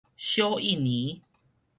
小印尼